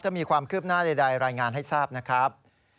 ถ้ามีความคืบหน้าใดรายงานให้ทราบนะครับ